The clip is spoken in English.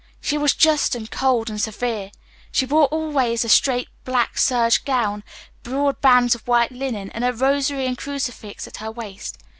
She was just and cold and severe. She wore always a straight black serge gown, broad bands of white linen, and a rosary and crucifix at her waist.